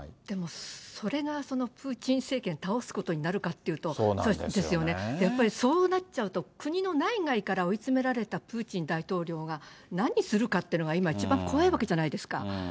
でも、それがプーチン政権倒すことになるかというと、そうですよね、やっぱりそうなっちゃうと、国の内外から追い詰められたプーチン大統領が、何するかっていうのが今、一番怖いわけじゃないですか。